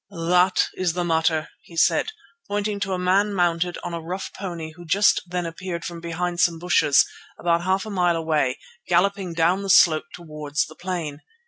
"That is the matter," he said, pointing to a man mounted on a rough pony who just then appeared from behind some bushes about half a mile away, galloping down the slope towards the plain.